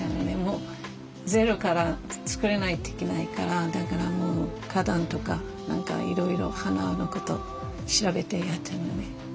でもゼロから造れないといけないからだからもう花壇とか何かいろいろ花の事調べてやったんやね。